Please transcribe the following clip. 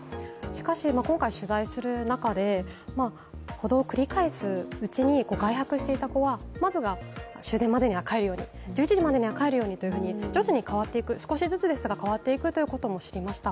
しかし、今回、取材する中で補導を繰り返すうちに外泊していた子は、まずは終電にまでは帰るように１１時までには帰るようにと徐々に変わっていく少しずつですが変わっていくということも知りました。